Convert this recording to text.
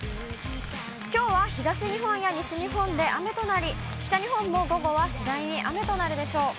きょうは東日本や西日本で雨となり、北日本も午後は次第に雨となるでしょう。